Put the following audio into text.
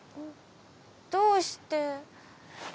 どうして。